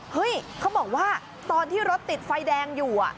เขาบอกว่าตอนที่รถติดไฟแดงอยู่